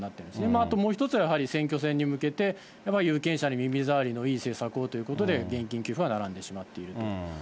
あともう一つはやはり、選挙戦に向けて有権者に耳ざわりのいい政策をということで、現金給付が並んでしまっていると。